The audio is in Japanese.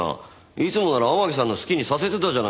いつもなら天樹さんの好きにさせてたじゃないですか。